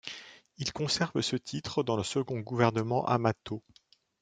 Il conserve ce titre dans le second gouvernement Amato.